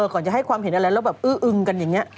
ก่อนจะให้ความเห็นอะไรแล้วแบบอื้ออึงกันอย่างนี้